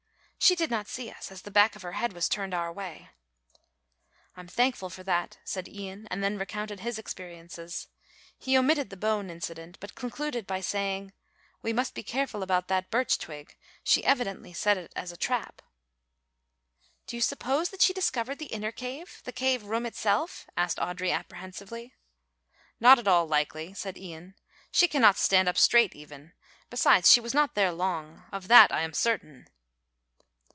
She did not see us, as the back of her head was turned our way." "I'm thankful for that," said Ian, and then recounted his experiences. He omitted the bone incident, but concluded by saying, "We must be careful about that birch twig. She evidently set it as a trap." "Do you suppose that she discovered the inner cave, the cave room itself?" asked Audry apprehensively. "Not at all likely," said Ian. "She cannot stand up straight even; besides she was not there long enough; of that I am certain."